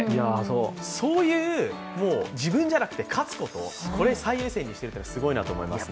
そういう自分じゃなくて勝つことこれを最優先にしているというのはすごいことだと思いますね。